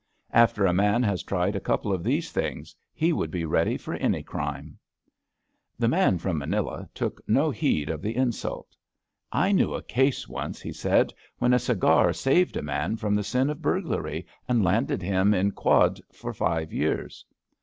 After a man has tried a couple of these things he would be ready for any crime/' The man from Manila took no heed of the in sult. I knew a case once/' said he, when a cigar saved a man f roin the sin of burglary and landed him in quod for five years."